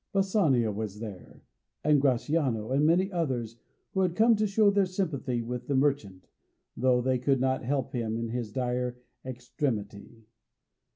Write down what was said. Bassanio was there, and Gratiano, and many others, who had come to show their sympathy with the merchant, though they could not help him in his dire extremity.